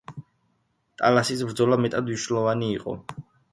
ტალასის ბრძოლა მეტად მნიშვნელოვანი იყო.